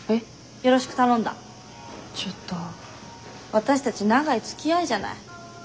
わたしたち長いつきあいじゃない。